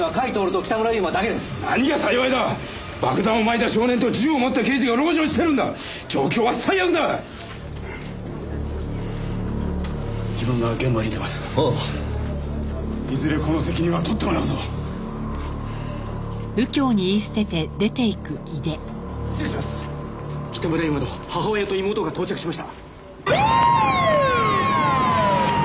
北村悠馬の母親と妹が到着しました。